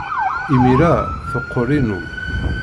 Imir-a, teqqel inu.